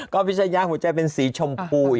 ก็พิชยาหัวใจเป็นสีชมพู